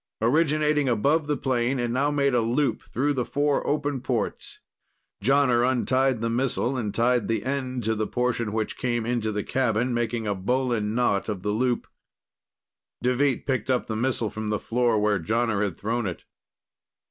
Originating above the plane, it now made a loop through the four open ports. Jonner untied the missile and tied the end to the portion which came into the cabin, making a bowline knot of the loop. Deveet picked up the missile from the floor, where Jonner had thrown it.